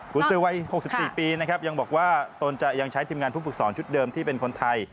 คุณซื้อวัย๖๔ปีนะครับยังบอกว่าตนจะยังใช้ทีมงานผู้ฝึกสอนชุดเดิมที่เป็นคนไทย